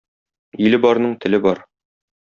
Иле барның теле бар.